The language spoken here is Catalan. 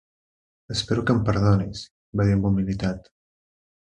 "Espero que em perdonis" va dir amb humilitat.